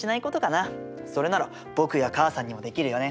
それなら僕や母さんにもできるよね。